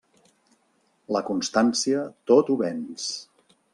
La constància tot ho venç.